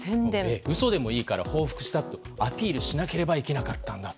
嘘でもいいから報復したとアピールしなければいけなかったんだと。